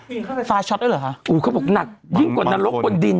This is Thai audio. มีเข้าไปไฟร์ชอตหรอคะอูยเขาบุหรือหนักยิ่งกว่านรกบนดิน